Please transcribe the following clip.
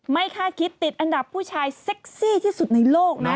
ค่าคิดติดอันดับผู้ชายเซ็กซี่ที่สุดในโลกนะ